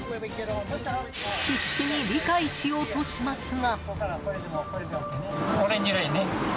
必死に理解しようとしますが。